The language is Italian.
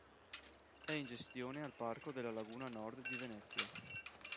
È in gestione al Parco della Laguna Nord di Venezia.